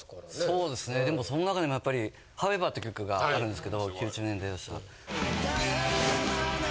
そうですねでもその中でもやっぱり『ＨＯＷＥＶＥＲ』って曲があるんですけど９０年代に出した。